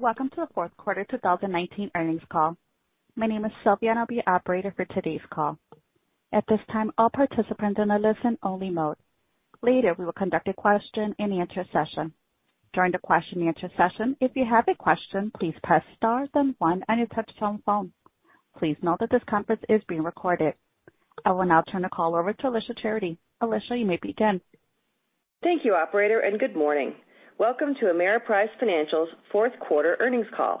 Welcome to the fourth quarter 2019 earnings call. My name is Sylvia, I'll be your operator for today's call. At this time, all participants are in a listen-only mode. Later, we will conduct a question-and-answer session. During the question-and-answer session, if you have a question, please press star then one on your touch-tone phone. Please note that this conference is being recorded. I will now turn the call over to Alicia Charity. Alicia, you may begin. Thank you, operator, Good morning. Welcome to Ameriprise Financial's fourth quarter earnings call.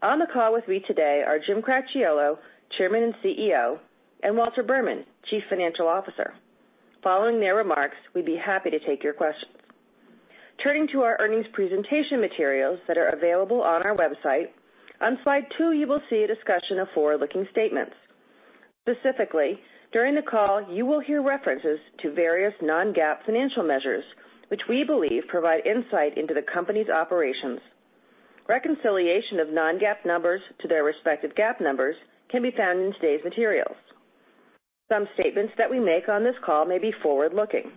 On the call with me today are Jim Cracchiolo, Chairman and CEO, and Walter Berman, Chief Financial Officer. Following their remarks, we'd be happy to take your questions. Turning to our earnings presentation materials that are available on our website, on slide two you will see a discussion of forward-looking statements. Specifically, during the call, you will hear references to various non-GAAP financial measures, which we believe provide insight into the company's operations. Reconciliation of non-GAAP numbers to their respective GAAP numbers can be found in today's materials. Some statements that we make on this call may be forward-looking,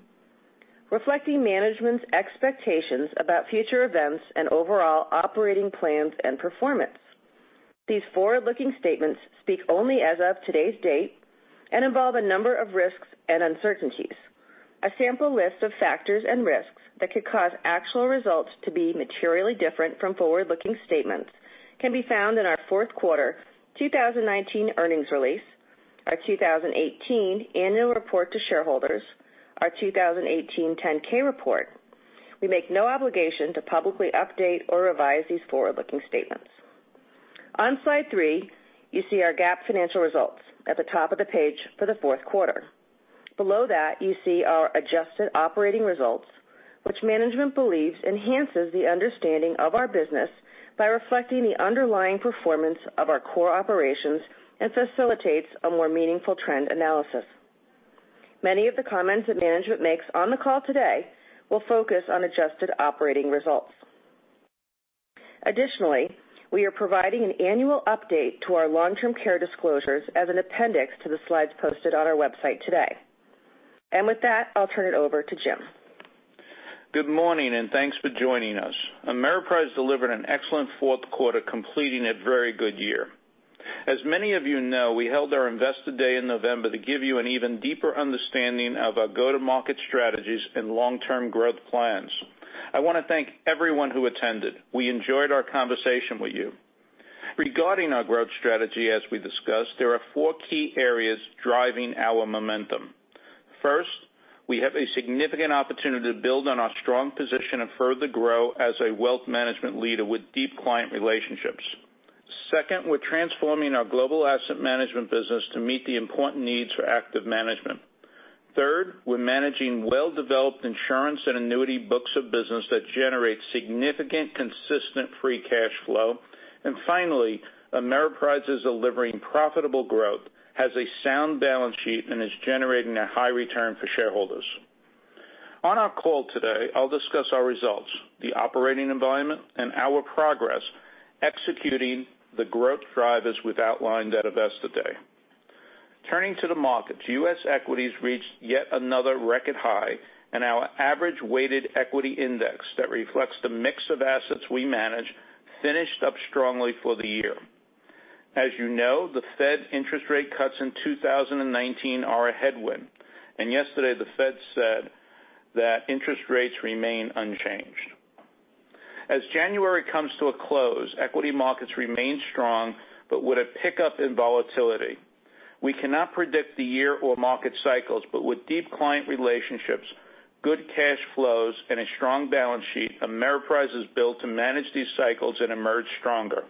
reflecting management's expectations about future events and overall operating plans and performance. These forward-looking statements speak only as of today's date and involve a number of risks and uncertainties. A sample list of factors and risks that could cause actual results to be materially different from forward-looking statements can be found in our fourth quarter 2019 earnings release, our 2018 Annual Report to Shareholders, our 2018 10-K report. We make no obligation to publicly update or revise these forward-looking statements. On slide three, you see our GAAP financial results at the top of the page for the fourth quarter. Below that, you see our adjusted operating results, which management believes enhances the understanding of our business by reflecting the underlying performance of our core operations and facilitates a more meaningful trend analysis. Many of the comments that management makes on the call today will focus on adjusted operating results. Additionally, we are providing an annual update to our long-term care disclosures as an appendix to the slides posted on our website today. With that, I'll turn it over to Jim. Good morning. Thanks for joining us. Ameriprise delivered an excellent fourth quarter, completing a very good year. As many of you know, we held our Investor Day in November to give you an even deeper understanding of our go-to-market strategies and long-term growth plans. I want to thank everyone who attended. We enjoyed our conversation with you. Regarding our growth strategy as we discussed, there are four key areas driving our momentum. First, we have a significant opportunity to build on our strong position and further grow as a wealth management leader with deep client relationships. Second, we're transforming our global asset management business to meet the important needs for active management. Third, we're managing well-developed insurance and annuity books of business that generate significant, consistent free cash flow. Finally, Ameriprise is delivering profitable growth, has a sound balance sheet, and is generating a high return for shareholders. On our call today, I'll discuss our results, the operating environment, and our progress executing the growth drivers we've outlined at Investor Day. Turning to the markets, U.S. equities reached yet another record high. Our average weighted equity index that reflects the mix of assets we manage finished up strongly for the year. As you know, the Fed interest rate cuts in 2019 are a headwind. Yesterday the Fed said that interest rates remain unchanged. As January comes to a close, equity markets remain strong, with a pickup in volatility. We cannot predict the year or market cycles. With deep client relationships, good cash flows, and a strong balance sheet, Ameriprise is built to manage these cycles and emerge stronger.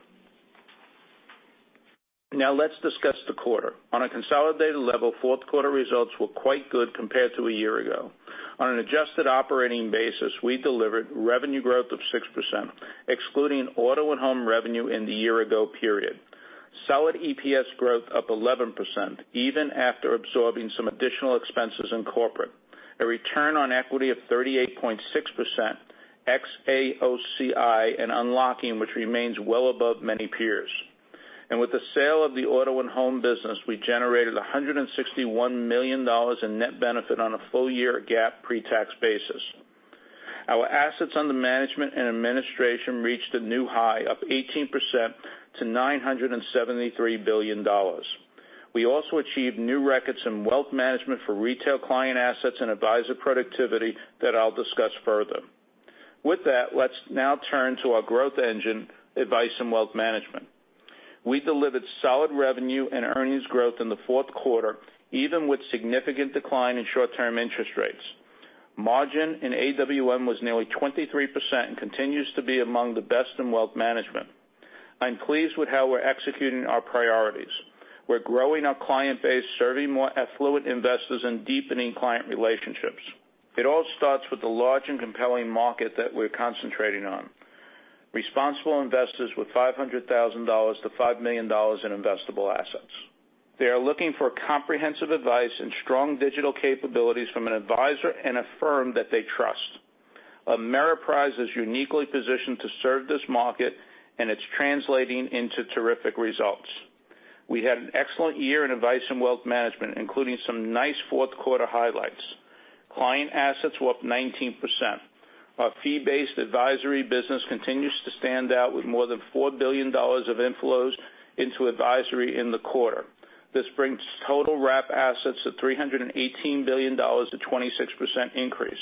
Now let's discuss the quarter. On a consolidated level, fourth quarter results were quite good compared to a year ago. On an adjusted operating basis, we delivered revenue growth of 6%, excluding Auto & Home revenue in the year-ago period. Solid EPS growth up 11%, even after absorbing some additional expenses in corporate. A return on equity of 38.6% ex AOCI and unlocking, which remains well above many peers. With the sale of the Auto & Home business, we generated $161 million in net benefit on a full-year GAAP pre-tax basis. Our assets under management and administration reached a new high up 18% to $973 billion. We also achieved new records in wealth management for retail client assets and advisor productivity that I'll discuss further. With that, let's now turn to our growth engine, Advice & Wealth Management. We delivered solid revenue and earnings growth in the fourth quarter, even with significant decline in short-term interest rates. Margin in AWM was nearly 23%. It continues to be among the best in wealth management. I'm pleased with how we're executing our priorities. We're growing our client base, serving more affluent investors, and deepening client relationships. It all starts with the large and compelling market that we're concentrating on, responsible investors with $500,000-$5 million in investable assets. They are looking for comprehensive advice and strong digital capabilities from an advisor and a firm that they trust. Ameriprise is uniquely positioned to serve this market. It's translating into terrific results. We had an excellent year in Advice & Wealth Management, including some nice fourth quarter highlights. Client assets were up 19%. Our fee-based advisory business continues to stand out with more than $4 billion of inflows into advisory in the quarter. This brings total wrap assets to $318 billion, a 26% increase.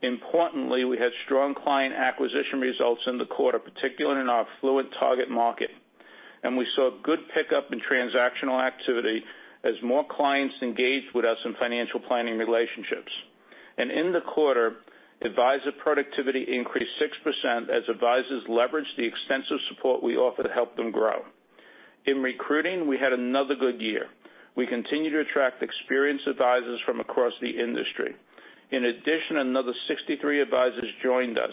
Importantly, we had strong client acquisition results in the quarter, particularly in our affluent target market. We saw good pickup in transactional activity as more clients engaged with us in financial planning relationships. In the quarter, advisor productivity increased 6% as advisors leveraged the extensive support we offer to help them grow. In recruiting, we had another good year. We continue to attract experienced advisors from across the industry. In addition, another 63 advisors joined us.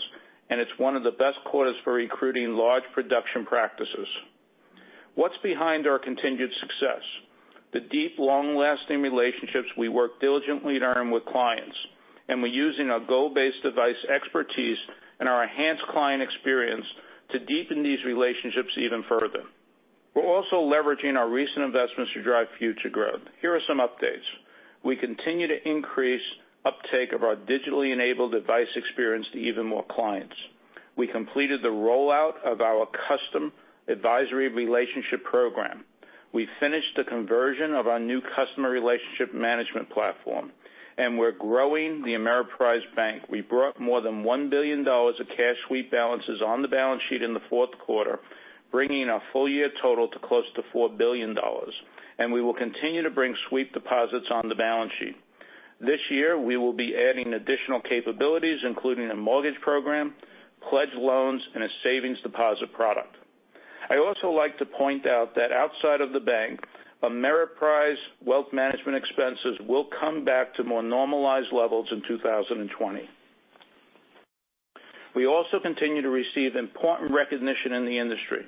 It's one of the best quarters for recruiting large production practices. What's behind our continued success? The deep, long-lasting relationships we work diligently to earn with clients. We're using our goal-based advice expertise and our enhanced client experience to deepen these relationships even further. We're also leveraging our recent investments to drive future growth. Here are some updates. We continue to increase uptake of our digitally enabled advice experience to even more clients. We completed the rollout of our custom advisory relationship program. We finished the conversion of our new Customer Relationship Management platform. We're growing the Ameriprise Bank. We brought more than $1 billion of cash sweep balances on the balance sheet in the fourth quarter, bringing our full-year total to close to $4 billion. We will continue to bring sweep deposits on the balance sheet. This year, we will be adding additional capabilities, including a mortgage program, pledge loans, and a savings deposit product. I also like to point out that outside of the bank, Ameriprise Wealth Management expenses will come back to more normalized levels in 2020. We also continue to receive important recognition in the industry.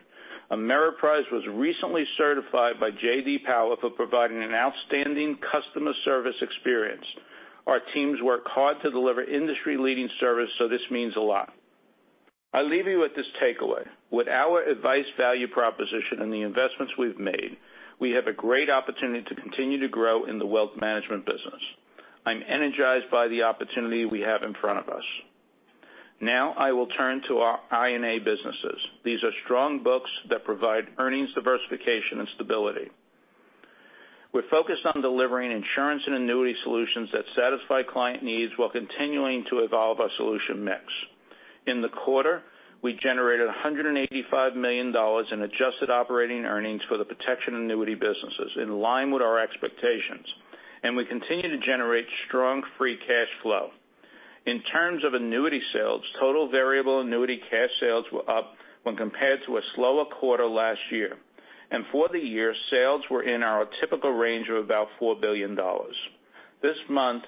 Ameriprise was recently certified by J.D. Power for providing an outstanding customer service experience. Our teams work hard to deliver industry-leading service. This means a lot. I leave you with this takeaway. With our advice value proposition and the investments we've made, we have a great opportunity to continue to grow in the Wealth Management business. I'm energized by the opportunity we have in front of us. I will turn to our I&A businesses. These are strong books that provide earnings diversification and stability. We're focused on delivering insurance and annuity solutions that satisfy client needs while continuing to evolve our solution mix. In the quarter, we generated $185 million in adjusted operating earnings for the protection annuity businesses, in line with our expectations. We continue to generate strong free cash flow. In terms of annuity sales, total variable annuity cash sales were up when compared to a slower quarter last year. For the year, sales were in our typical range of about $4 billion. This month,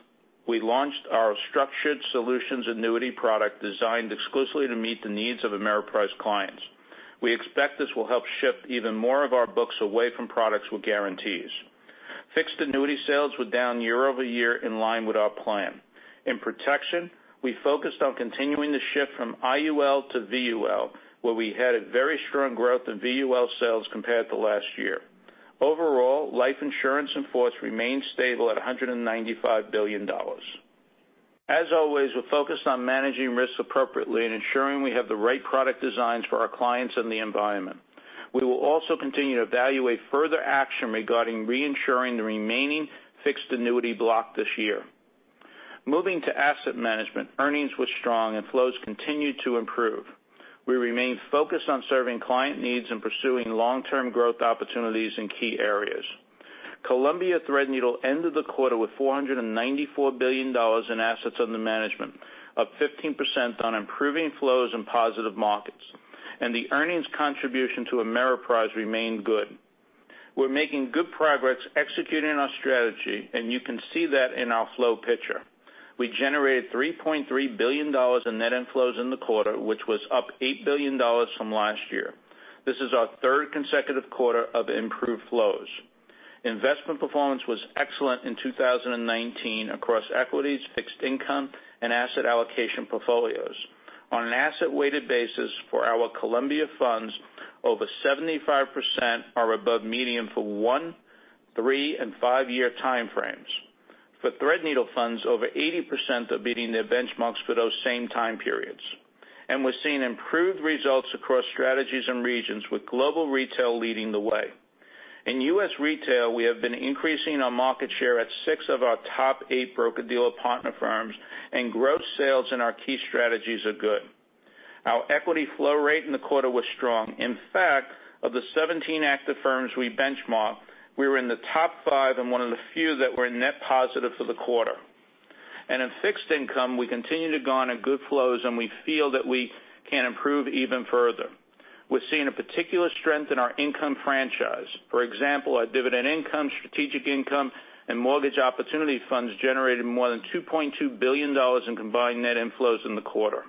we launched our RiverSource Structured Solutions annuity product designed exclusively to meet the needs of Ameriprise clients. We expect this will help shift even more of our books away from products with guarantees. Fixed annuity sales were down year-over-year in line with our plan. In protection, we focused on continuing the shift from IUL to VUL, where we had a very strong growth in VUL sales compared to last year. Overall, life insurance in force remains stable at $195 billion. As always, we're focused on managing risks appropriately and ensuring we have the right product designs for our clients and the environment. We will also continue to evaluate further action regarding reinsuring the remaining fixed annuity block this year. Moving to asset management, earnings were strong and flows continued to improve. We remain focused on serving client needs and pursuing long-term growth opportunities in key areas. Columbia Threadneedle ended the quarter with $494 billion in assets under management, up 15% on improving flows and positive markets, and the earnings contribution to Ameriprise remained good. We're making good progress executing our strategy, and you can see that in our flow picture. We generated $3.3 billion in net inflows in the quarter, which was up $8 billion from last year. This is our third consecutive quarter of improved flows. Investment performance was excellent in 2019 across equities, fixed income, and asset allocation portfolios. On an asset-weighted basis for our Columbia funds, over 75% are above median for one, three, and five-year time frames. For Threadneedle funds, over 80% are beating their benchmarks for those same time periods. We're seeing improved results across strategies and regions, with global retail leading the way. In U.S. retail, we have been increasing our market share at six of our top eight broker-dealer partner firms, and gross sales in our key strategies are good. Our equity flow rate in the quarter was strong. In fact, of the 17 active firms we benchmark, we were in the top five and one of the few that were net positive for the quarter. In fixed income, we continue to gain good flows, and we feel that we can improve even further. We're seeing a particular strength in our income franchise. For example, our dividend income, Strategic Income, and mortgage opportunity funds generated more than $2.2 billion in combined net inflows in the quarter.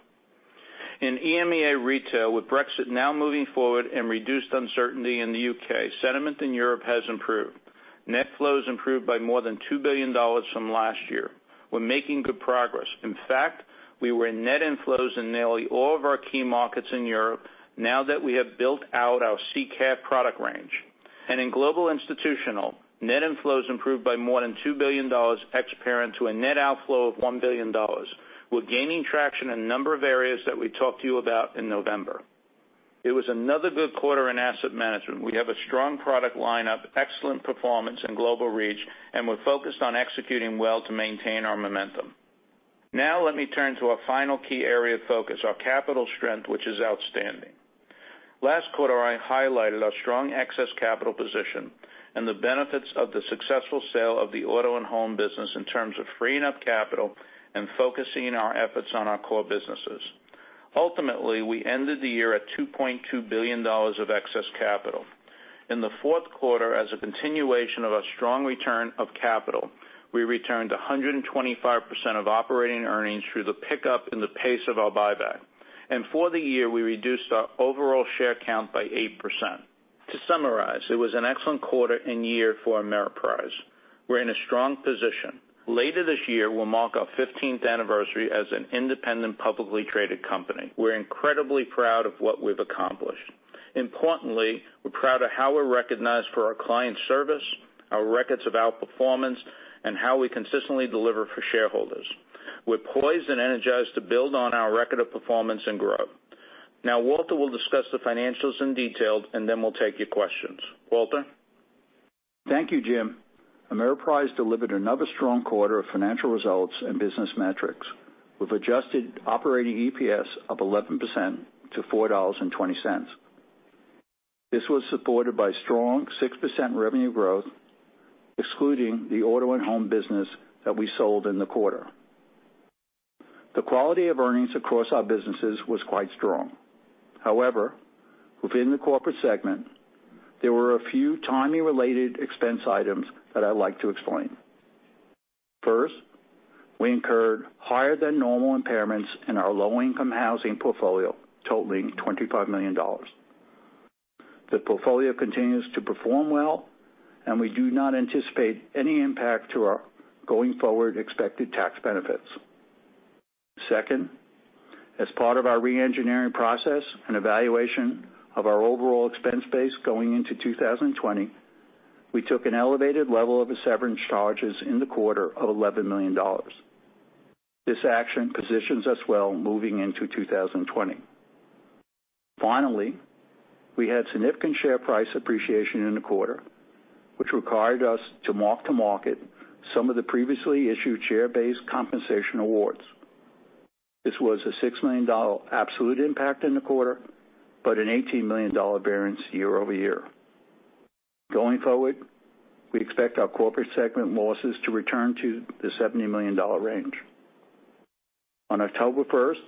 In EMEA retail, with Brexit now moving forward and reduced uncertainty in the U.K., sentiment in Europe has improved. Net flows improved by more than $2 billion from last year. We're making good progress. In fact, we were in net inflows in nearly all of our key markets in Europe now that we have built out our CCAP product range. In global institutional, net inflows improved by more than $2 billion ex-parent to a net outflow of $1 billion. We're gaining traction in a number of areas that we talked to you about in November. It was another good quarter in asset management. We have a strong product lineup, excellent performance and global reach, and we're focused on executing well to maintain our momentum. Now let me turn to our final key area of focus, our capital strength, which is outstanding. Last quarter, I highlighted our strong excess capital position and the benefits of the successful sale of the auto and home business in terms of freeing up capital and focusing our efforts on our core businesses. Ultimately, we ended the year at $2.2 billion of excess capital. In the fourth quarter, as a continuation of our strong return of capital, we returned 125% of operating earnings through the pickup in the pace of our buyback. For the year, we reduced our overall share count by 8%. To summarize, it was an excellent quarter and year for Ameriprise. We're in a strong position. Later this year, we'll mark our 15th anniversary as an independent, publicly traded company. We're incredibly proud of what we've accomplished. Importantly, we're proud of how we're recognized for our client service, our records of outperformance, and how we consistently deliver for shareholders. We're poised and energized to build on our record of performance and growth. Now Walter will discuss the financials in detail, and then we'll take your questions. Walter? Thank you, Jim. Ameriprise delivered another strong quarter of financial results and business metrics with adjusted operating EPS up 11% to $4.20. This was supported by strong 6% revenue growth, excluding the Auto & Home business that we sold in the quarter. The quality of earnings across our businesses was quite strong. Within the corporate segment, there were a few timing-related expense items that I'd like to explain. First, we incurred higher than normal impairments in our low-income housing portfolio, totaling $25 million. The portfolio continues to perform well, and we do not anticipate any impact to our going forward expected tax benefits. Second, as part of our re-engineering process and evaluation of our overall expense base going into 2020, we took an elevated level of severance charges in the quarter of $11 million. This action positions us well moving into 2020. We had significant share price appreciation in the quarter, which required us to mark-to-market some of the previously issued share-based compensation awards. This was a $6 million absolute impact in the quarter, but an $18 million variance year-over-year. Going forward, we expect our corporate segment losses to return to the $70 million range. On October 1st,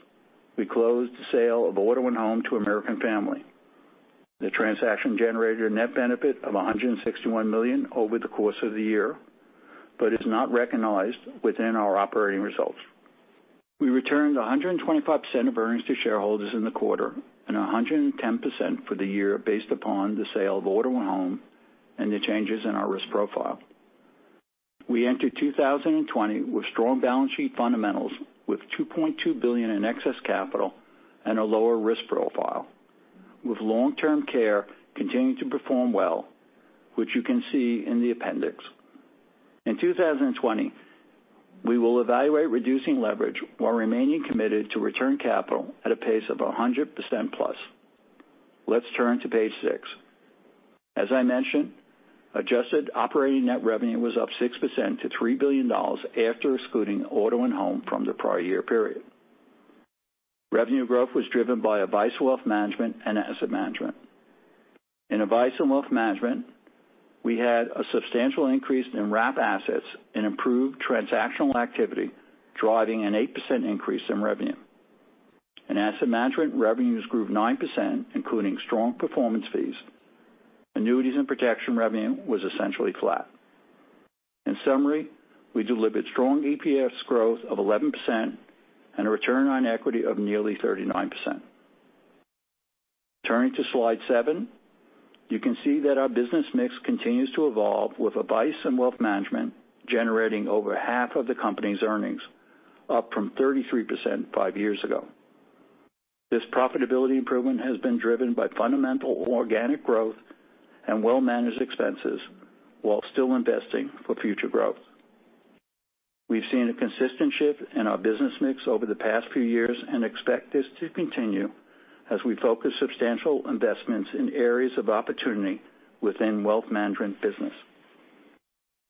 we closed the sale of Auto & Home to American Family. The transaction generated a net benefit of $161 million over the course of the year, but is not recognized within our operating results. We returned 125% of earnings to shareholders in the quarter and 110% for the year based upon the sale of Auto & Home and the changes in our risk profile. We enter 2020 with strong balance sheet fundamentals with $2.2 billion in excess capital and a lower risk profile, with long-term care continuing to perform well, which you can see in the appendix. In 2020, we will evaluate reducing leverage while remaining committed to return capital at a pace of 100% plus. Let's turn to page six. As I mentioned, adjusted operating net revenue was up 6% to $3 billion after excluding Auto & Home from the prior year period. Revenue growth was driven by Advice & Wealth Management and Asset Management. In Advice & Wealth Management, we had a substantial increase in wrap assets and improved transactional activity, driving an 8% increase in revenue. In Asset Management, revenues grew 9%, including strong performance fees. Annuities and protection revenue was essentially flat. In summary, we delivered strong EPS growth of 11% and a return on equity of nearly 39%. Turning to slide seven, you can see that our business mix continues to evolve with Advice & Wealth Management generating over half of the company's earnings, up from 33% five years ago. This profitability improvement has been driven by fundamental organic growth and well-managed expenses while still investing for future growth. We've seen a consistent shift in our business mix over the past few years and expect this to continue as we focus substantial investments in areas of opportunity within wealth management business.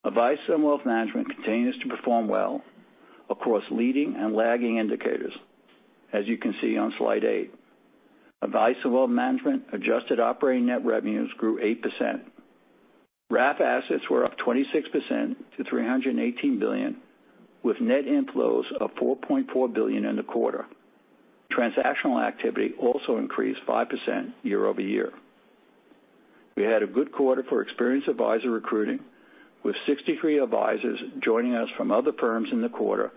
Advice & Wealth Management continues to perform well across leading and lagging indicators, as you can see on slide eight. Advice & Wealth Management adjusted operating net revenues grew 8%. Wrap assets were up 26% to $318 billion, with net inflows of $4.4 billion in the quarter. Transactional activity also increased 5% year-over-year. We had a good quarter for experienced advisor recruiting, with 63 advisors joining us from other firms in the quarter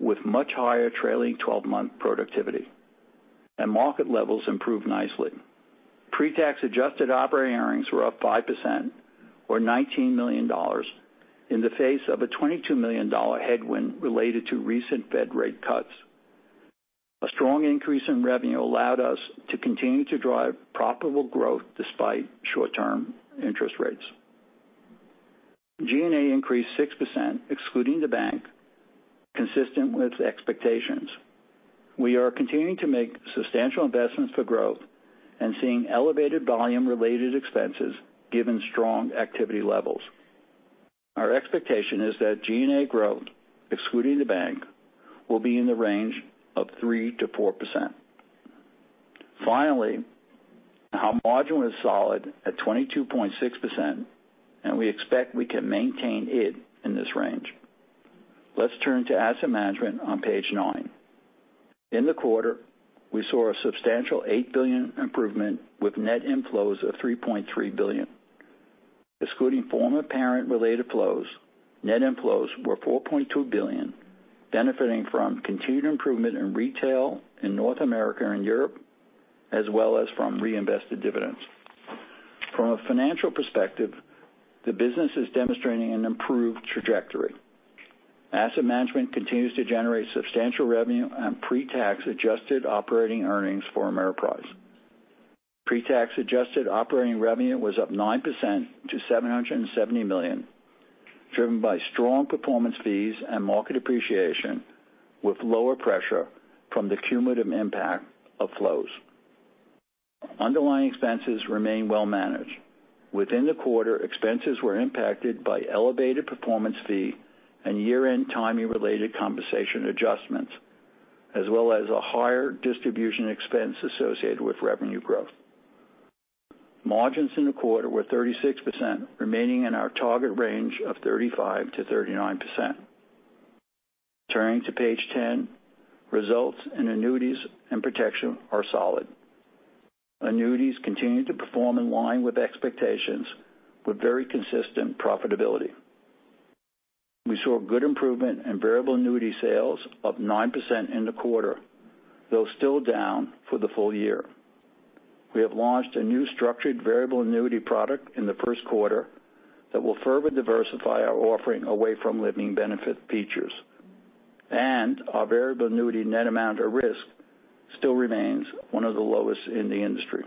with much higher trailing 12-month productivity. Market levels improved nicely. Pre-tax adjusted operating earnings were up 5%, or $19 million, in the face of a $22 million headwind related to recent Fed rate cuts. A strong increase in revenue allowed us to continue to drive profitable growth despite short-term interest rates. G&A increased 6%, excluding the bank, consistent with expectations. We are continuing to make substantial investments for growth and seeing elevated volume-related expenses given strong activity levels. Our expectation is that G&A growth, excluding the bank, will be in the range of 3%-4%. Finally, our margin was solid at 22.6%, and we expect we can maintain it in this range. Let's turn to asset management on page nine. In the quarter, we saw a substantial $8 billion improvement with net inflows of $3.3 billion. Excluding former parent-related flows, net inflows were $4.2 billion, benefiting from continued improvement in retail in North America and Europe, as well as from reinvested dividends. From a financial perspective, the business is demonstrating an improved trajectory. Asset management continues to generate substantial revenue and pre-tax adjusted operating earnings for Ameriprise. Pre-tax adjusted operating revenue was up 9% to $770 million, driven by strong performance fees and market appreciation, with lower pressure from the cumulative impact of flows. Underlying expenses remain well-managed. Within the quarter, expenses were impacted by elevated performance fee and year-end timing related compensation adjustments, as well as a higher distribution expense associated with revenue growth. Margins in the quarter were 36%, remaining in our target range of 35%-39%. Turning to page 10, results in annuities and protection are solid. Annuities continued to perform in line with expectations with very consistent profitability. We saw good improvement in variable annuity sales up 9% in the quarter, though still down for the full year. We have launched a new structured variable annuity product in the first quarter that will further diversify our offering away from living benefit features. Our variable annuity net amount of risk still remains one of the lowest in the industry.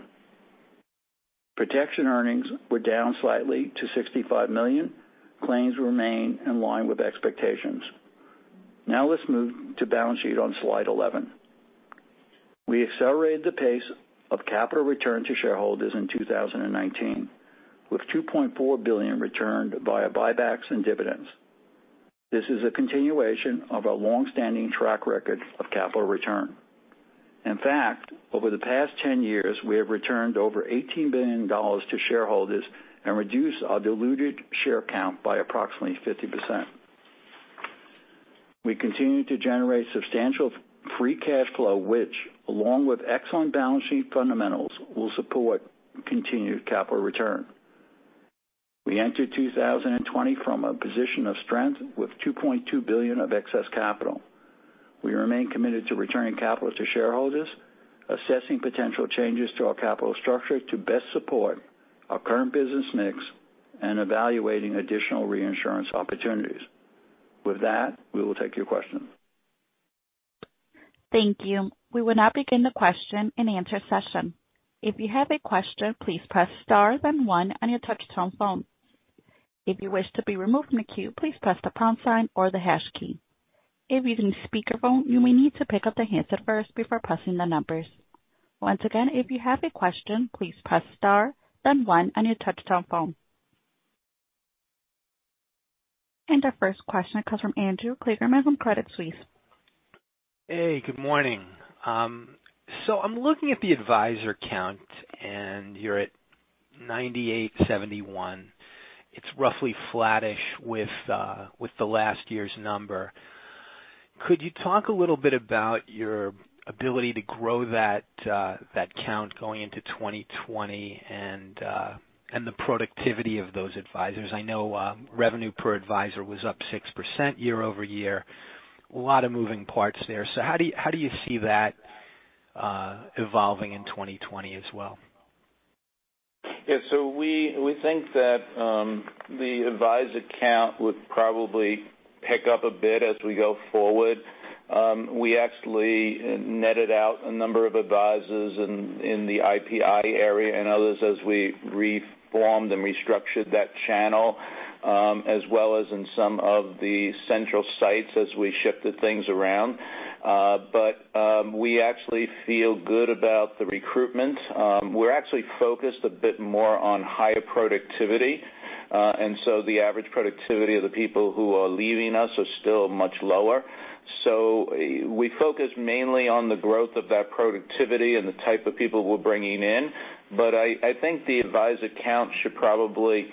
Protection earnings were down slightly to $65 million. Claims remain in line with expectations. Now let's move to balance sheet on slide 11. We accelerated the pace of capital return to shareholders in 2019, with $2.4 billion returned via buybacks and dividends. This is a continuation of a long-standing track record of capital return. In fact, over the past 10 years, we have returned over $18 billion to shareholders and reduced our diluted share count by approximately 50%. We continue to generate substantial free cash flow, which along with excellent balance sheet fundamentals, will support continued capital return. We enter 2020 from a position of strength with $2.2 billion of excess capital. We remain committed to returning capital to shareholders, assessing potential changes to our capital structure to best support our current business mix, and evaluating additional reinsurance opportunities. With that, we will take your questions. Thank you. We will now begin the question and answer session. If you have a question, please press star then one on your touch-tone phone. If you wish to be removed from the queue, please press the pound sign or the hash key. If using speakerphone, you may need to pick up the handset first before pressing the numbers. Once again, if you have a question, please press star then one on your touch-tone phone. Our first question comes from Andrew Kligerman from Credit Suisse. Hey, good morning. I'm looking at the advisor count, you're at 9,871. It's roughly flattish with the last year's number. Could you talk a little bit about your ability to grow that count going into 2020 and the productivity of those advisors? I know revenue per advisor was up 6% year-over-year. A lot of moving parts there. How do you see that evolving in 2020 as well? Yeah, we think that the advisor count would probably pick up a bit as we go forward. We actually netted out a number of advisors in the IPI area and others as we reformed and restructured that channel, as well as in some of the central sites as we shifted things around. We actually feel good about the recruitment. We're actually focused a bit more on higher productivity, the average productivity of the people who are leaving us are still much lower. We focus mainly on the growth of that productivity and the type of people we're bringing in. I think the advisor count should probably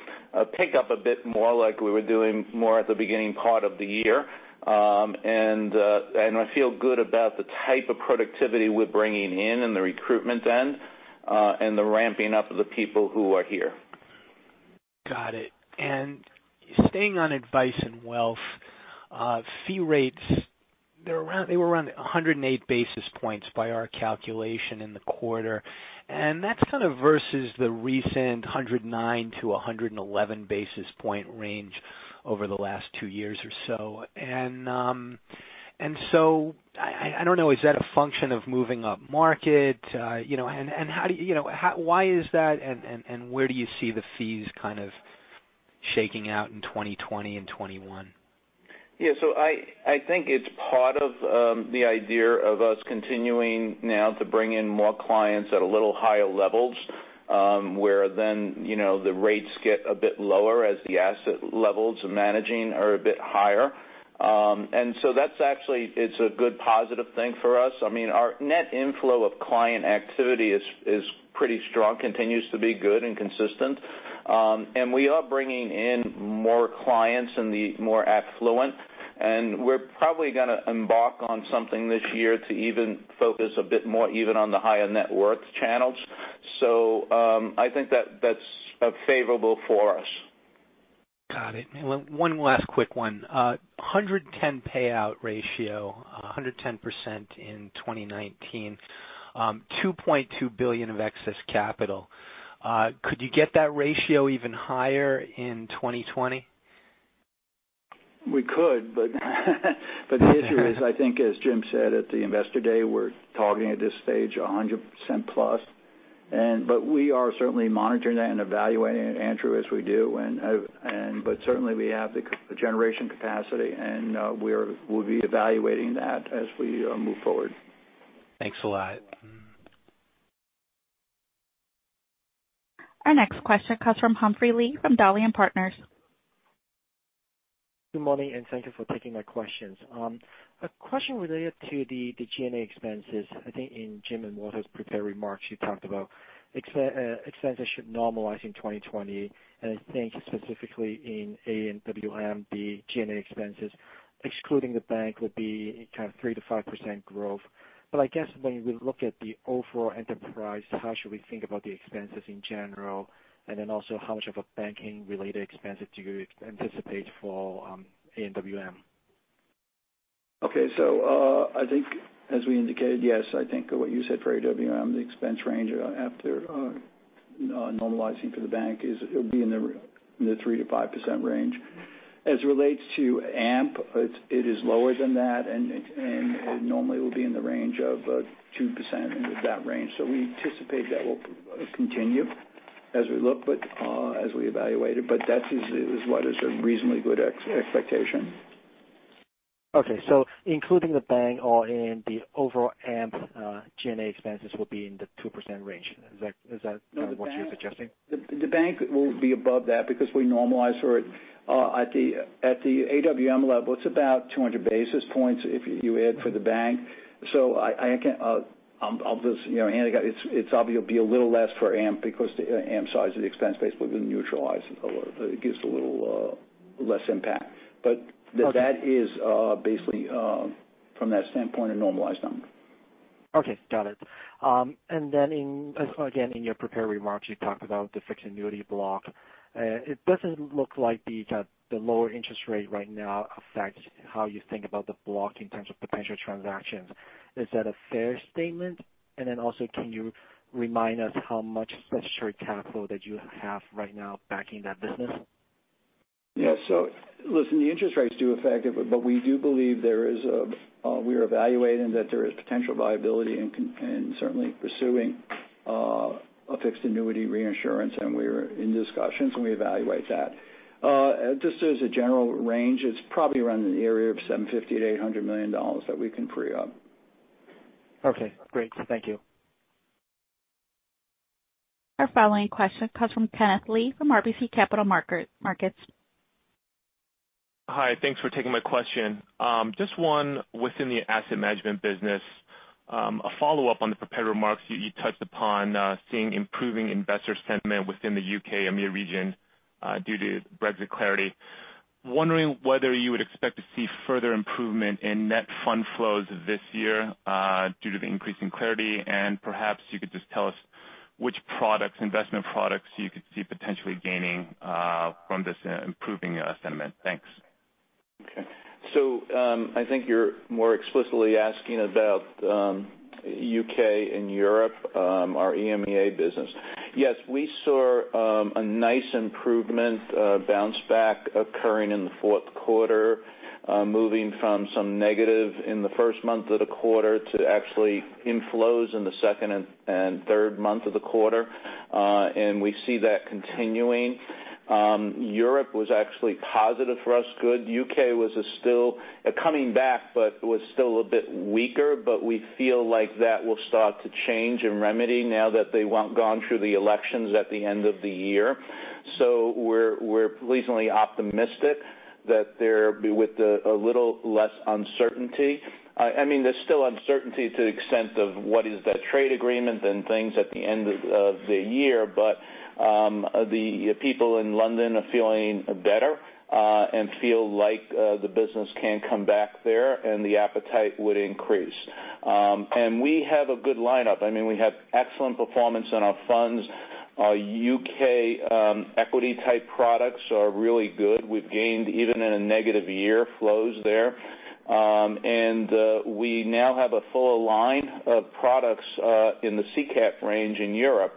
pick up a bit more like we were doing more at the beginning part of the year. I feel good about the type of productivity we're bringing in on the recruitment end, the ramping up of the people who are here. Got it. Staying on Advice & Wealth Management, fee rates, they were around 108 basis points by our calculation in the quarter. That's kind of versus the recent 109-111 basis point range over the last two years or so. I don't know, is that a function of moving up market? Why is that, and where do you see the fees kind of shaking out in 2020 and 2021? Yeah. I think it's part of the idea of us continuing now to bring in more clients at a little higher levels, where then the rates get a bit lower as the asset levels of managing are a bit higher. That's actually a good positive thing for us. Our net inflow of client activity is pretty strong, continues to be good and consistent. We are bringing in more clients in the more affluent, and we're probably going to embark on something this year to even focus a bit more even on the higher net worth channels. I think that's favorable for us. Got it. One last quick one. 110 payout ratio, 110% in 2019. $2.2 billion of excess capital. Could you get that ratio even higher in 2020? We could, the issue is, I think as Jim said at the Investor Day, we're targeting at this stage 100% plus. We are certainly monitoring that and evaluating it, Andrew, as we do. Certainly, we have the generation capacity, and we'll be evaluating that as we move forward. Thanks a lot. Our next question comes from Humphrey Lee from Dowling & Partners. Good morning, and thank you for taking my questions. A question related to the G&A expenses. I think in Jim and Walter's prepared remarks, you talked about expenses should normalize in 2020, and I think specifically in AWM, the G&A expenses, excluding the bank, would be kind of 3%-5% growth. I guess when we look at the overall enterprise, how should we think about the expenses in general? Also, how much of a banking-related expense do you anticipate for AWM? Okay. I think as we indicated, yes, I think what you said for AWM, the expense range after normalizing for the bank, it'll be in the 3%-5% range. As it relates to AMP, it is lower than that, and it normally will be in the range of 2%, in that range. We anticipate that will continue as we evaluate it, but that is what is a reasonably good expectation. Okay. Including the bank or in the overall AMP G&A expenses will be in the 2% range. Is that kind of what you're suggesting? The bank will be above that because we normalize for it. At the AWM level, it is about 200 basis points if you add for the bank. It is obvious it will be a little less for AMP because the AMP size of the expense base will then neutralize. It gives a little less impact. That is basically from that standpoint, a normalized number. Okay. Got it. Then in, again, in your prepared remarks, you talked about the fixed annuity block. It does not look like the lower interest rate right now affects how you think about the block in terms of potential transactions. Is that a fair statement? Then also, can you remind us how much statutory capital that you have right now backing that business? Yeah. Listen, the interest rates do affect it, but we do believe we are evaluating that there is potential viability in certainly pursuing a fixed annuity reinsurance, and we are in discussions, and we evaluate that. Just as a general range, it is probably around in the area of $750 million-$800 million that we can free up. Okay, great. Thank you. Our following question comes from Kenneth Lee from RBC Capital Markets. Hi. Thanks for taking my question. Just one within the asset management business. A follow-up on the prepared remarks. You touched upon seeing improving investor sentiment within the U.K. EMEIA region due to Brexit clarity. Wondering whether you would expect to see further improvement in net fund flows this year due to the increase in clarity. Perhaps you could just tell us which investment products you could see potentially gaining from this improving sentiment. Thanks. I think you're more explicitly asking about U.K. and Europe, our EMEA business. Yes, we saw a nice improvement, a bounce back occurring in the fourth quarter, moving from some negative in the first month of the quarter to actually inflows in the second and third month of the quarter. We see that continuing. Europe was actually positive for us, good. U.K. was still coming back, but was still a bit weaker. We feel like that will start to change and remedy now that they won't gone through the elections at the end of the year. We're reasonably optimistic that there be with a little less uncertainty. There's still uncertainty to the extent of what is the trade agreement and things at the end of the year. The people in London are feeling better, and feel like the business can come back there and the appetite would increase. We have a good lineup. We have excellent performance in our funds. Our U.K. equity-type products are really good. We've gained, even in a negative year, flows there. We now have a full line of products in the UCITS range in Europe,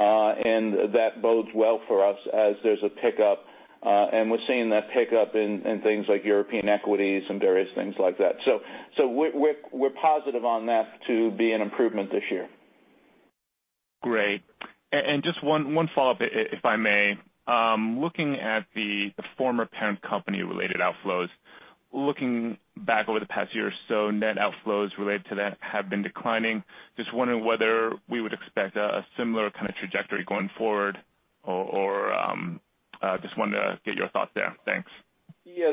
and that bodes well for us as there's a pickup, and we're seeing that pickup in things like European equities and various things like that. We're positive on that to be an improvement this year. Great. Just one follow-up, if I may. Looking at the former parent company-related outflows, looking back over the past year or so, net outflows related to that have been declining. Just wondering whether we would expect a similar kind of trajectory going forward, or just wanted to get your thoughts there. Thanks. Yeah.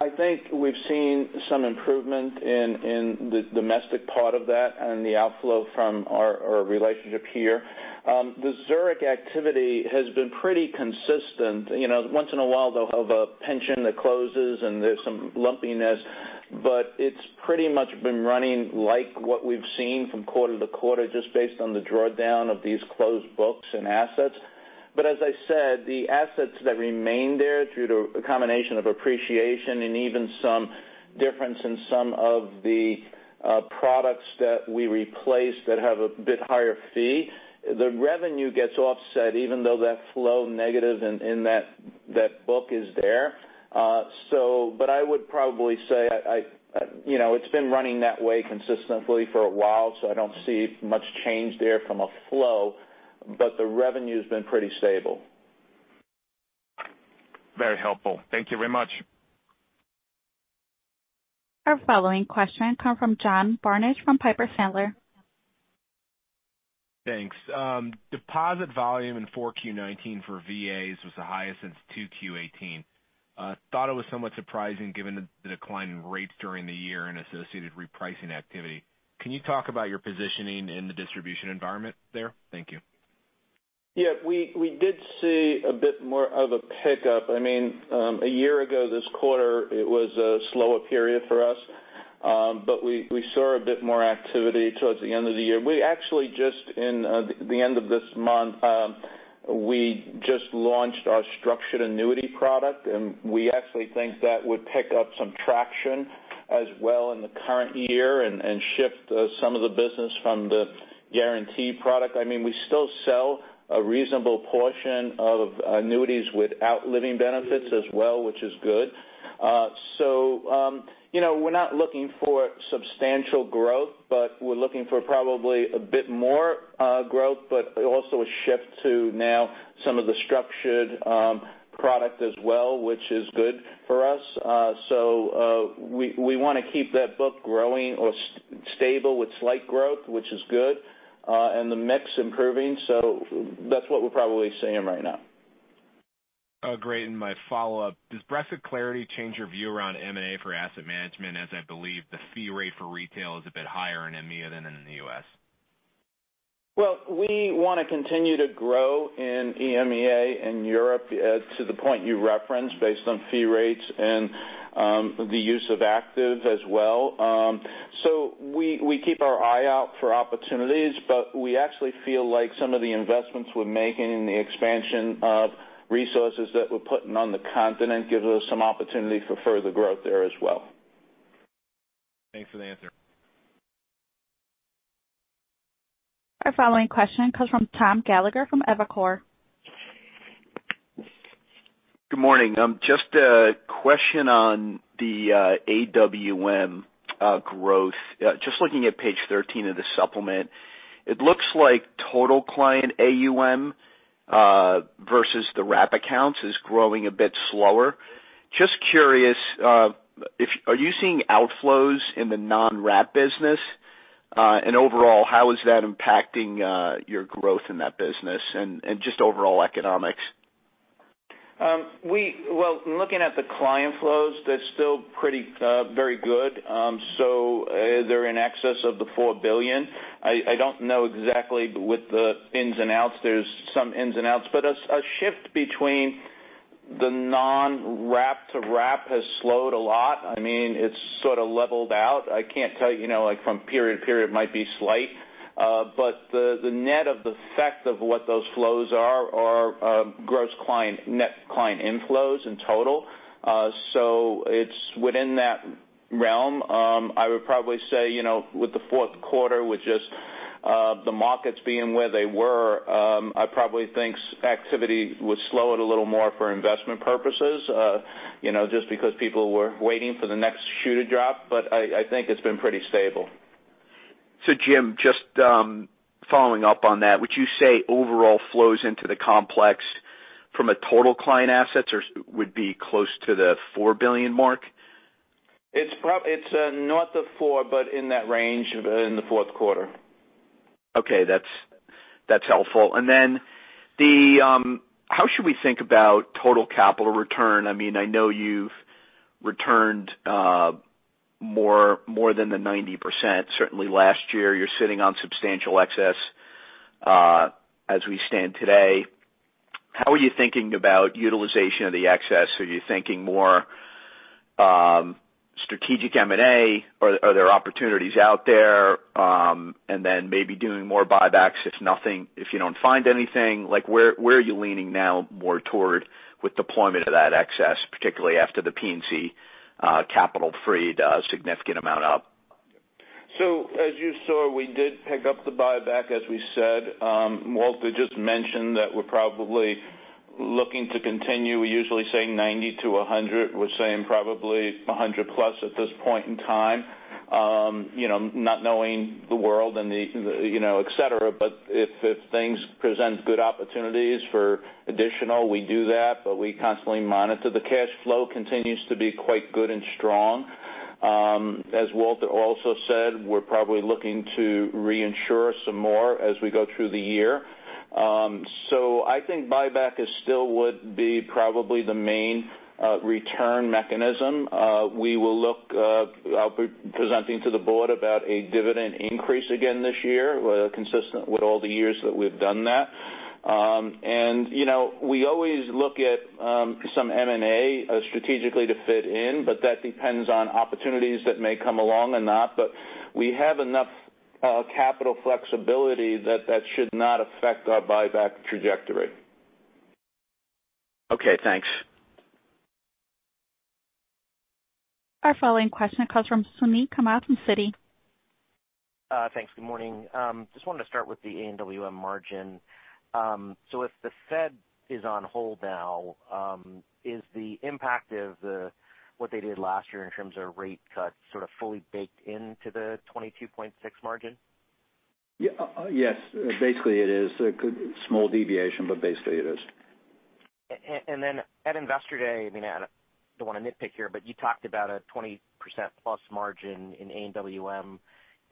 I think we've seen some improvement in the domestic part of that and the outflow from our relationship here. The Zurich activity has been pretty consistent. Once in a while, they'll have a pension that closes, and there's some lumpiness, but it's pretty much been running like what we've seen from quarter to quarter, just based on the drawdown of these closed books and assets. As I said, the assets that remain there, due to a combination of appreciation and even some difference in some of the products that we replaced that have a bit higher fee, the revenue gets offset even though that flow negative in that book is there. I would probably say it's been running that way consistently for a while, so I don't see much change there from a flow, but the revenue's been pretty stable. Very helpful. Thank you very much. Our following question comes from John Barnidge from Piper Sandler. Thanks. Deposit volume in 4Q19 for VAs was the highest since 2Q18. Thought it was somewhat surprising given the decline in rates during the year and associated repricing activity. Can you talk about your positioning in the distribution environment there? Thank you. Yeah. We did see a bit more of a pickup. A year ago this quarter, it was a slower period for us. We saw a bit more activity towards the end of the year. We actually just, in the end of this month, we just launched our structured annuity product. We actually think that would pick up some traction as well in the current year and shift some of the business from the guarantee product. We still sell a reasonable portion of annuities without living benefits as well, which is good. We're not looking for substantial growth, but we're looking for probably a bit more growth, but also a shift to now some of the structured product as well, which is good for us. We want to keep that book growing or stable with slight growth, which is good, and the mix improving. That's what we're probably seeing right now. My follow-up, does Brexit clarity change your view around M&A for asset management, as I believe the fee rate for retail is a bit higher in EMEIA than in the U.S.? Well, we want to continue to grow in EMEIA and Europe to the point you referenced based on fee rates and the use of active as well. We keep our eye out for opportunities, but we actually feel like some of the investments we're making and the expansion of resources that we're putting on the continent gives us some opportunity for further growth there as well. Thanks for the answer. Our following question comes from Tom Gallagher from Evercore. Good morning. Just a question on the AWM growth. Just looking at page 13 of the supplement, it looks like total client AUM versus the wrap accounts is growing a bit slower. Just curious, are you seeing outflows in the non-wrap business? Overall, how is that impacting your growth in that business and just overall economics? Well, looking at the client flows, they're still very good. They're in excess of the $4 billion. I don't know exactly with the ins and outs. There's some ins and outs. A shift between the non-wrap to wrap has slowed a lot. It's sort of leveled out. I can't tell you from period to period. It might be slight. The net of the effect of what those flows are gross client, net client inflows in total. It's within that realm. I would probably say with the fourth quarter, with just the markets being where they were, I probably think activity would slow it a little more for investment purposes just because people were waiting for the next shoe to drop. I think it's been pretty stable. Jim, just following up on that, would you say overall flows into the complex from a total client assets would be close to the $4 billion mark? It's not the four, but in that range in the fourth quarter. Okay. That's helpful. How should we think about total capital return? I know you've returned more than 90%, certainly last year. You're sitting on substantial excess as we stand today. How are you thinking about utilization of the excess? Are you thinking more strategic M&A, or are there opportunities out there, and then maybe doing more buybacks if you don't find anything? Where are you leaning now more toward with deployment of that excess, particularly after the P&C capital freed a significant amount up? As you saw, we did pick up the buyback, as we said. Walter just mentioned that we're probably looking to continue. We usually say 90-100. We're saying probably 100-plus at this point in time. Not knowing the world, et cetera, but if things present good opportunities for additional, we do that, but we constantly monitor. The cash flow continues to be quite good and strong. As Walter also said, we're probably looking to reinsure some more as we go through the year. I think buyback still would be probably the main return mechanism. I'll be presenting to the board about a dividend increase again this year, consistent with all the years that we've done that. We always look at some M&A strategically to fit in, but that depends on opportunities that may come along or not. We have enough capital flexibility that that should not affect our buyback trajectory. Okay, thanks. Our following question comes from Suneet Kamath from Citi. Thanks. Good morning. Just wanted to start with the AWM margin. If the Fed is on hold now, is the impact of what they did last year in terms of rate cuts sort of fully baked into the 22.6 margin? Yes. Basically, it is. A small deviation, but basically, it is. At Investor Day, I don't want to nitpick here, but you talked about a 20%-plus margin in AWM.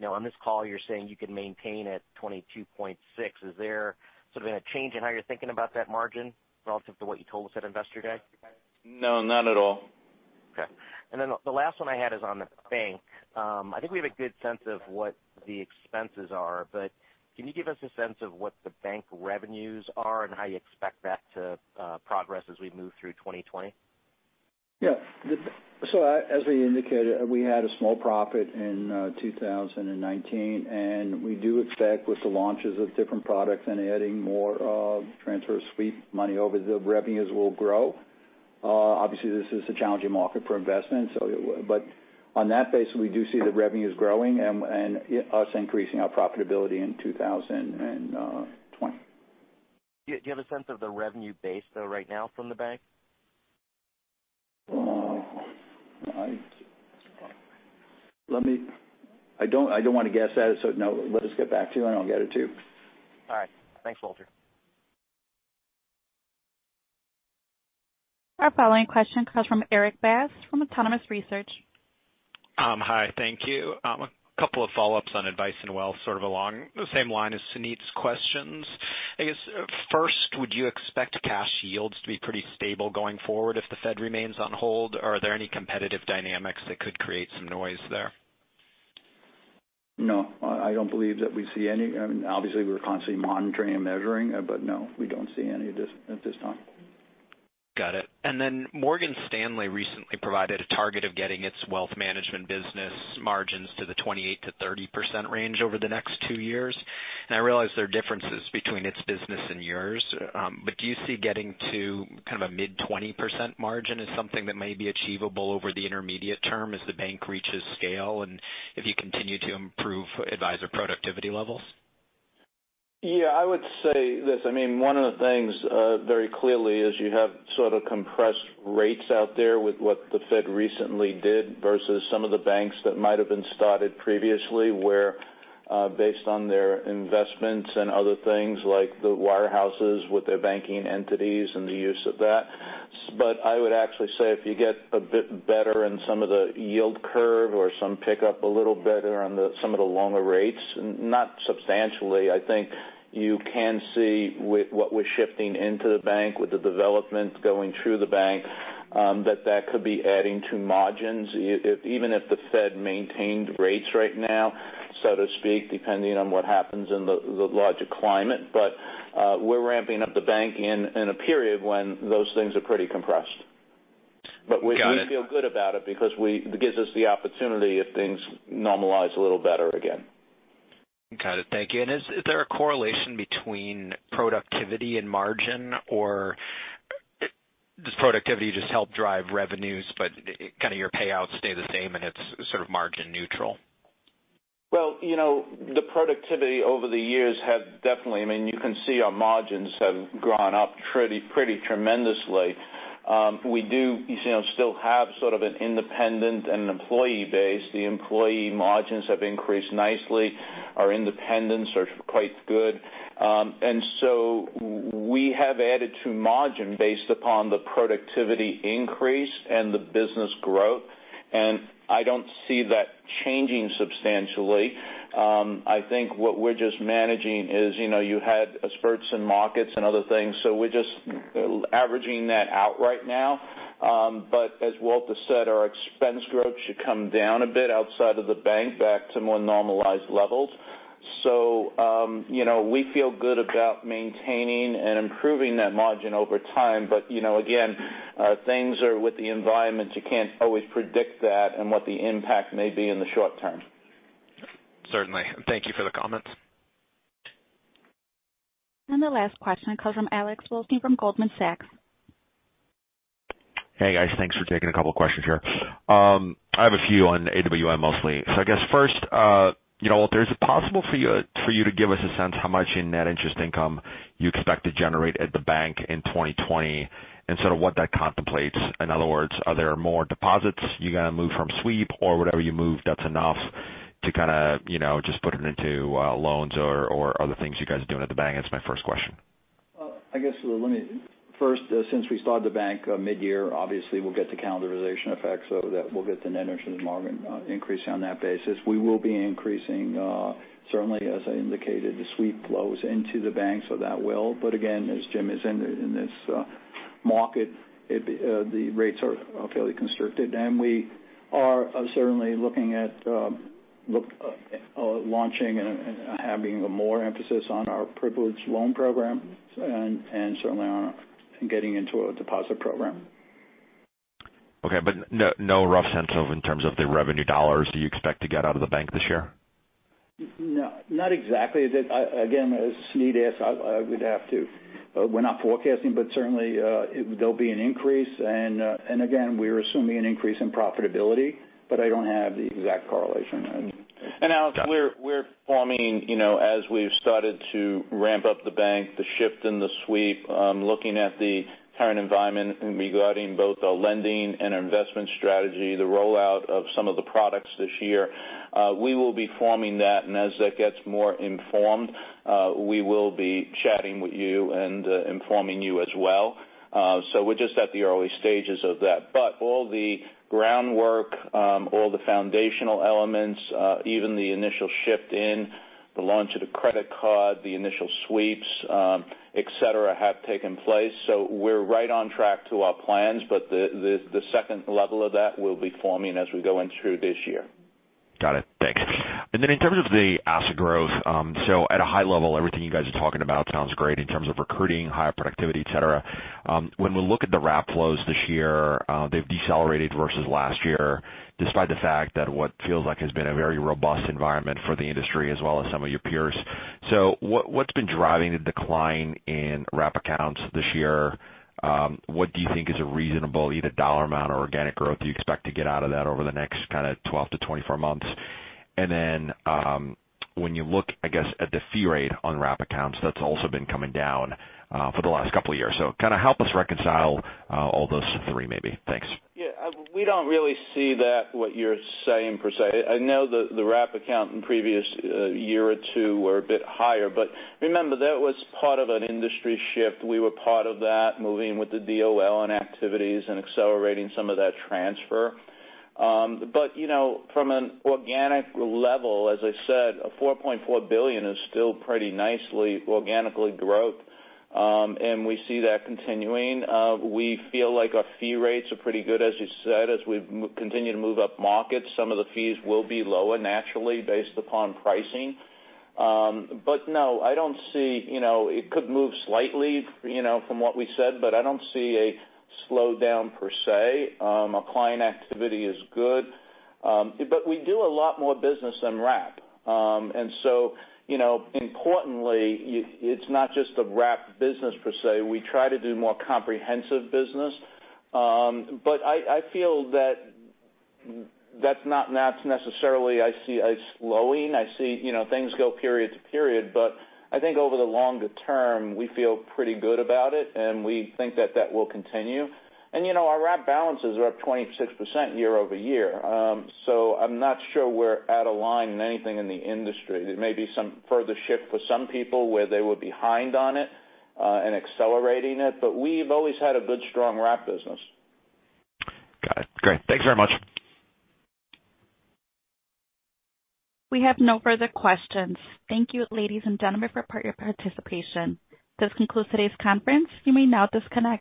On this call, you're saying you can maintain at 22.6. Is there sort of a change in how you're thinking about that margin relative to what you told us at Investor Day? No, not at all. Okay. The last one I had is on the bank. I think we have a good sense of what the expenses are, but can you give us a sense of what the bank revenues are and how you expect that to progress as we move through 2020? As we indicated, we had a small profit in 2019, and we do expect with the launches of different products and adding more transfer sweep money over, the revenues will grow. Obviously, this is a challenging market for investment. On that base, we do see the revenues growing and us increasing our profitability in 2020. Do you have a sense of the revenue base, though, right now from the bank? I don't want to guess at it. No, let us get back to you and I'll get it to you. All right. Thanks, Walter. Our following question comes from Erik Bass from Autonomous Research. Hi, thank you. A couple of follow-ups on Advice & Wealth Management, sort of along the same line as Suneet's questions. I guess, first, would you expect cash yields to be pretty stable going forward if the Fed remains on hold? Are there any competitive dynamics that could create some noise there? No. I don't believe that we see any. Obviously, we're constantly monitoring and measuring, but no, we don't see any at this time. Got it. Morgan Stanley recently provided a target of getting its wealth management business margins to the 28%-30% range over the next two years. I realize there are differences between its business and yours, but do you see getting to kind of a mid-20% margin as something that may be achievable over the intermediate term as the bank reaches scale and if you continue to improve advisor productivity levels? Yeah, I would say this. One of the things very clearly is you have sort of compressed rates out there with what the Fed recently did versus some of the banks that might have been started previously, where based on their investments and other things, like the wirehouses with their banking entities and the use of that. I would actually say if you get a bit better in some of the yield curve or some pickup a little better on some of the longer rates, not substantially, I think you can see with what we're shifting into the bank, with the development going through the bank, that that could be adding to margins, even if the Fed maintained rates right now, so to speak, depending on what happens in the larger climate. We're ramping up the bank in a period when those things are pretty compressed. Got it. We feel good about it because it gives us the opportunity if things normalize a little better again. Got it. Thank you. Is there a correlation between productivity and margin, or does productivity just help drive revenues, but kind of your payouts stay the same and it's sort of margin neutral? Well, the productivity over the years have definitely, you can see our margins have gone up pretty tremendously. We do still have sort of an independent and employee base. The employee margins have increased nicely. Our independents are quite good. So we have added to margin based upon the productivity increase and the business growth, and I don't see that changing substantially. I think what we're just managing is, you had spurts in markets and other things, so we're just averaging that out right now. As Walter said, our expense growth should come down a bit outside of the bank back to more normalized levels. We feel good about maintaining and improving that margin over time. Again, things are with the environment, you can't always predict that and what the impact may be in the short term. Certainly. Thank you for the comments. The last question comes from Alex Blostein from Goldman Sachs. Hey, guys. Thanks for taking a couple questions here. I have a few on AWM mostly. I guess first, Walter, is it possible for you to give us a sense how much in net interest income you expect to generate at the bank in 2020 and sort of what that contemplates? In other words, are there more deposits you're going to move from sweep or whatever you move that's enough to kind of just put it into loans or other things you guys are doing at the bank? That's my first question. I guess let me first, since we started the bank mid-year, obviously we'll get the calendarization effect so that we'll get the net interest and margin increase on that basis. We will be increasing certainly as I indicated, the sweep flows into the bank. Again, as Jim is in this market, the rates are fairly constricted and we are certainly looking at launching and having a more emphasis on our pledged loan program and certainly on getting into a deposit program. Okay, no rough sense of in terms of the revenue dollars do you expect to get out of the bank this year? No, not exactly. Again, as Suneet asked, we're not forecasting, but certainly there'll be an increase. Again, we're assuming an increase in profitability, but I don't have the exact correlation on that. Alex, we're forming as we've started to ramp up the bank, the shift in the sweep, looking at the current environment regarding both a lending and investment strategy, the rollout of some of the products this year. As that gets more informed, we will be chatting with you and informing you as well. We're just at the early stages of that. All the groundwork, all the foundational elements, even the initial shift in the launch of the credit card, the initial sweeps, et cetera, have taken place. We're right on track to our plans. The second level of that will be forming as we go in through this year. Got it. Thanks. Then in terms of the asset growth, at a high level, everything you guys are talking about sounds great in terms of recruiting, higher productivity, et cetera. When we look at the wrap flows this year, they've decelerated versus last year, despite the fact that what feels like has been a very robust environment for the industry as well as some of your peers. What's been driving the decline in wrap accounts this year? What do you think is a reasonable either dollar amount or organic growth you expect to get out of that over the next kind of 12 to 24 months? When you look, I guess, at the fee rate on wrap accounts, that's also been coming down for the last couple of years. Kind of help us reconcile all those three maybe. Thanks. We don't really see that what you're saying per se. I know the wrap account in previous year or two were a bit higher, remember, that was part of an industry shift. We were part of that moving with the DOL and activities and accelerating some of that transfer. From an organic level, as I said, a $4.4 billion is still pretty nicely organically growth. We see that continuing. We feel like our fee rates are pretty good as you said, as we continue to move up markets. Some of the fees will be lower naturally based upon pricing. No, it could move slightly from what we said, but I don't see a slowdown per se. Our client activity is good. We do a lot more business than wrap. Importantly, it's not just the wrap business per se. We try to do more comprehensive business. I feel that that's not necessarily I see a slowing. I see things go period to period. I think over the longer term, we feel pretty good about it and we think that that will continue. Our wrap balances are up 26% year-over-year. I'm not sure we're out of line in anything in the industry. There may be some further shift for some people where they were behind on it and accelerating it, but we've always had a good strong wrap business. Got it. Great. Thanks very much. We have no further questions. Thank you, ladies and gentlemen, for your participation. This concludes today's conference. You may now disconnect.